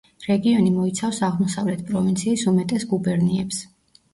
რეგიონი მოიცავს აღმოსავლეთ პროვინციის უმეტეს გუბერნიებს.